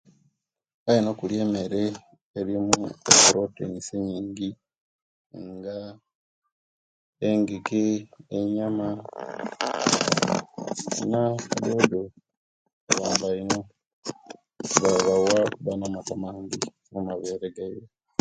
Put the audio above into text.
Balina okulia emere elimu proteins nyingi nga engege, enyama na dodo kibayamba ino kuba bawa okuba namata amangi mumabere gaiwe